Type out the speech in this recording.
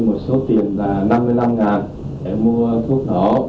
hoàng văn phục